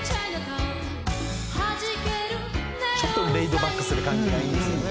「ちょっとレイドバックする感じがいいんですよね。